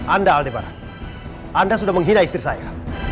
anda aldebaran anda sudah menghina istri saya